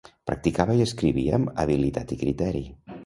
Practicava i escrivia amb habilitat i criteri.